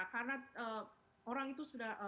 karena orang itu sudah